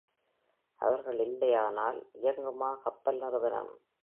அவர்கள் இல்லையானால் இயங்குமா கப்பல் நிறுவனம்?